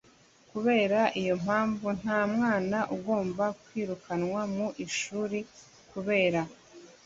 kubera iyo mpamvu nta mwana ugomba kwirukanwa mu mashuri kubera